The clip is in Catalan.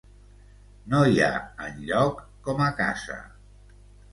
No hi ha enlloc com a casa.